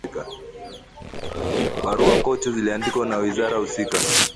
Barua kocho ziliandikwa na wizara husika